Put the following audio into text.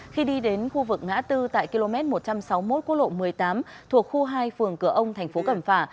khi đi đến khu vực ngã tư tại km một trăm sáu mươi một cốt lộ một mươi tám thuộc khu hai phường cửa ông tp cẩm phả